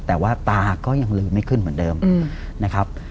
แต่ว่าตาก็ยังลืมไม่ขึ้นเหมือนเดิมนะครับ